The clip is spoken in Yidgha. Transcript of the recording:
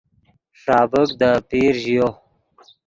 ݰابیک دے آپیر ژیو